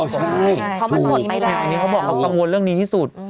เพราะมันผ่อนไปแล้ว